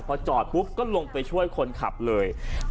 พอจอดปุ๊บก็ลงไปช่วยคนขับเลย